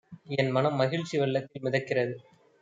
என் மனம் மகிழ்ச்சி வெள்ளத்தில் மிதக்கிறது!